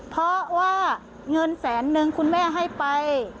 เพราะว่าเงินแสนนึงคุณแม่ให้ไป